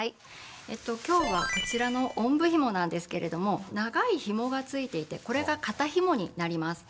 今日はこちらのおんぶひもなんですけれども長いひもがついていてこれが肩ひもになります。